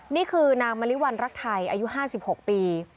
นี่คือนางมริวัณรักไทยอายุ๕๖ปี